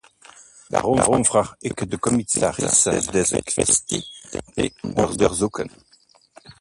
Daarom vraag ik de commissaris deze kwestie te onderzoeken.